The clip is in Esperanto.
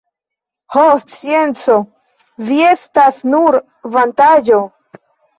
Ho! scienco, vi estas nur vantaĵo!